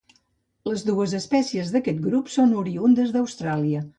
Les dues espècies d'aquest grup són oriündes d'Austràlia.